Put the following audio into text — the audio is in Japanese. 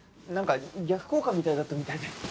なんか逆効果みたいだったみたいで。